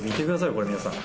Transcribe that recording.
これ皆さん。